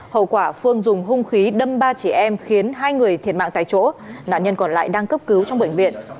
hậu quả phương dùng hung khí đâm ba chị em khiến hai người thiệt mạng tại chỗ nạn nhân còn lại đang cấp cứu trong bệnh viện